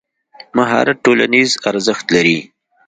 مهارت ټولنیز ارزښت لري.